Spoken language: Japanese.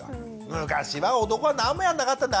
「昔は男はなんもやんなかったんだ」